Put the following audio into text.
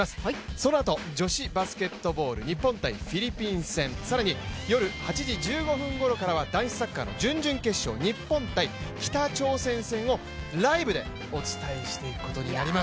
そのあと女子バスケットボール日本×フィリピン戦、更に夜８時１５分ごろからは男子サッカーの準々決勝、日本対北朝鮮戦をライブでお伝えしていくことになります。